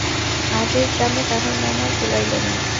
আজ এই গ্রামে তাহার মন আর কুলাইল না।